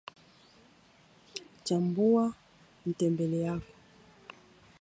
chambua mtembele yako